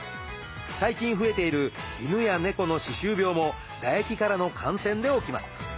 最近増えている犬や猫の歯周病も唾液からの感染で起きます。